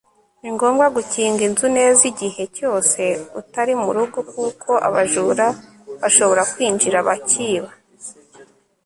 ni ngombwa gukinga inzu neza igihe cyose utari mu rugo kuko abajura bashobora kwinjira bakiba